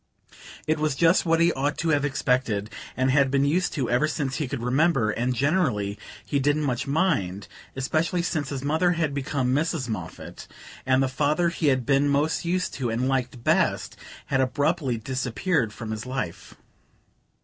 It was just what he ought to have expected, and had been used to ever since he could remember; and generally he didn't much mind, especially since his mother had become Mrs. Moffatt, and the father he had been most used to, and liked best, had abruptly disappeared from his life.